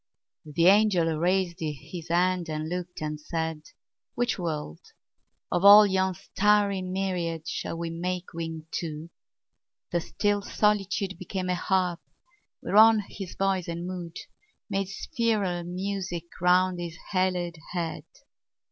The angel raised his hand and looked and said, "Which world, of all yon starry myriad Shall we make wing to?" The still solitude Became a harp whereon his voice and mood Made spheral music round his haloed head.